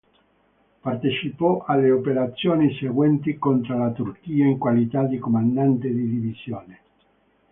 Partecipò alle operazioni seguenti contro la Turchia in qualità di comandante di divisione.